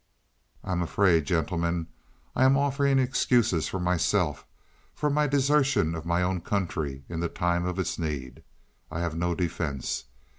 "I am afraid gentlemen, I am offering excuses for myself for my desertion of my own country in its time of need. I have no defense.